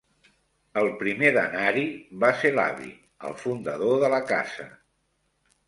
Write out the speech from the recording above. El primer d'anar-hi va ser l'avi, el fundador de la casa